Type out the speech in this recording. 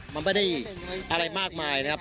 มันไม่ได้อะไรมากมายนะครับ